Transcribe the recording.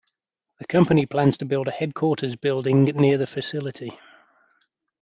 The company plans to build a headquarters building near the facility.